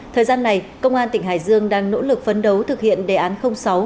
thời gian này công an tỉnh hải dương đang nỗ lực phấn đấu thực hiện đề án sáu